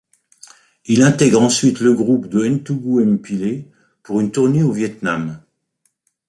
Il intègre ensuite le groupe de Ntougou Mpilé pour une tournée au Vietnam.